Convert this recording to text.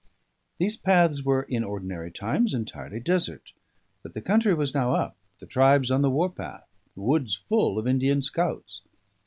These paths were in ordinary times entirely desert; but the country was now up, the tribes on the war path, the woods full of Indian scouts.